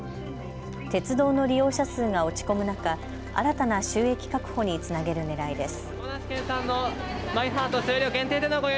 鉄道の利用者数が落ち込む中、新たな収益確保につなげるねらいです。